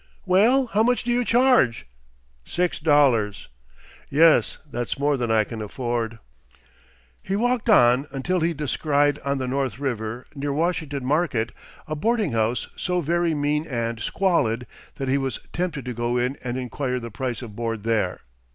"Well how much do you charge?" "Six dollars." "Yes, that's more than I can afford." He walked on until he descried on the North River, near Washington Market, a boarding house so very mean and squalid that he was tempted to go in and inquire the price of board there.